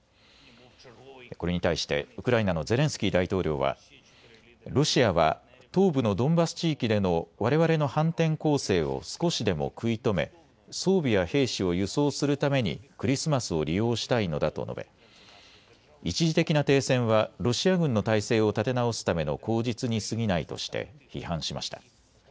これに対してウクライナのゼレンスキー大統領はロシアは東部のドンバス地域でのわれわれの反転攻勢を少しでも食い止め、装備や兵士を輸送するためにクリスマスを利用したいのだと述べ、一時的な停戦はロシア軍の態勢を立て直すための口実にすぎないとして批判しました。